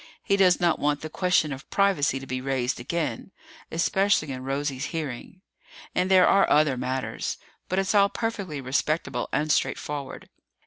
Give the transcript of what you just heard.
He does not want the question of privacy to be raised again especially in Rosie's hearing. And there are other matters. But it's all perfectly respectable and straightforward.